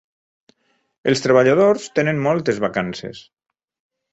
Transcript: Els treballadors tenen moltes vacances.